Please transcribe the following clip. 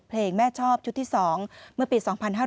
เพลงแม่ชอบชุดที่๒เมื่อปี๒๕๕๙